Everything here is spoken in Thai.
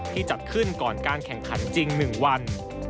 จัดขึ้นก่อนการแข่งขันจริง๑วัน